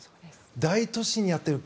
大都市にやってくる。